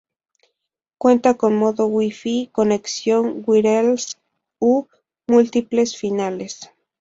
Cuenta con modo Wi-Fi, conexión Wireless u múltiples finales.